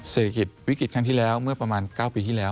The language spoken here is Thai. เศรษฐกิจวิกฤตครั้งที่แล้วเมื่อประมาณ๙ปีที่แล้ว